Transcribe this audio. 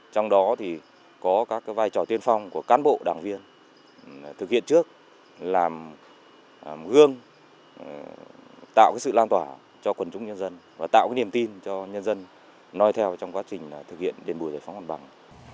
trong đó thì có các vai trò tiên phong của cán bộ đảng viên thực hiện trước làm gương tạo sự lan tỏa cho quần chúng nhân dân và tạo niềm tin cho nhân dân nói theo trong quá trình thực hiện điền bùi giải phóng hoàn bằng